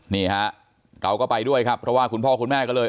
นี่ฮะเราก็ไปด้วยครับเพราะว่าคุณพ่อคุณแม่ก็เลย